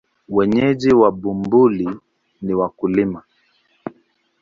Wenyeji wa Bumbuli ni wakulima.